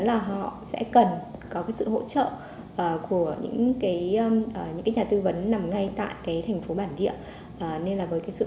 là họ sẽ cần có sự hỗ trợ của những nhà tư vấn nằm ngay tại thành phố bản địa nên là với sự